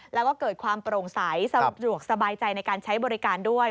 แล้วก็เกิดความโปร่งใสสะดวกสบายใจในการใช้บริการด้วย